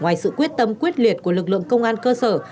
ngoài sự quyết tâm quyết liệt của lực lượng công an cơ sở